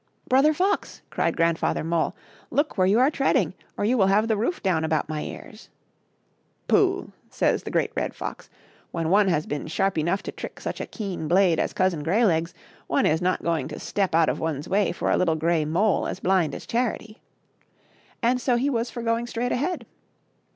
" Brother Fox," cried Grandfather Mole, " look where you are treading, or you will have the roof down about my ears." " Pooh !" says the Great Red Fox, " when one has been sharp enough to trick such a keen blade as Cousin Greylegs, one is not going to step out of one's way for a little gray mole as blind as charity :" and so he was for go ing straight ahead.